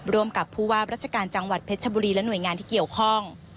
ร่วมกับผู้ว่าราชการจังหวัดเพชรชบุรีและหน่วยงานที่เกี่ยวข้อง